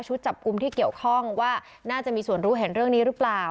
จับกลุ่มที่เกี่ยวข้องว่าน่าจะมีส่วนรู้เห็นเรื่องนี้หรือเปล่า